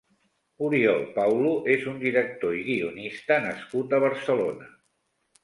Oriol Paulo és un director i guionista nascut a Barcelona.